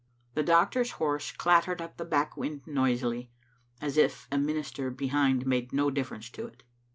The doctor's horse clattered up the Backwynd noisily, as if a minister behind made no difference to it.